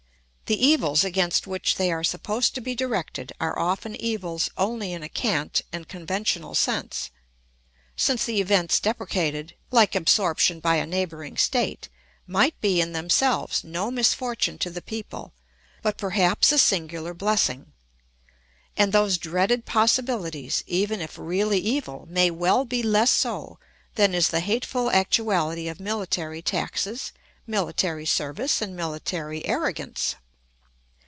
The evils against which they are supposed to be directed are often evils only in a cant and conventional sense, since the events deprecated (like absorption by a neighbouring state) might be in themselves no misfortune to the people, but perhaps a singular blessing. And those dreaded possibilities, even if really evil, may well be less so than is the hateful actuality of military taxes, military service, and military arrogance.